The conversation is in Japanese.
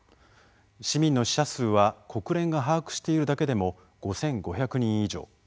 市民の死者数は国連が把握しているだけでも５５００人以上。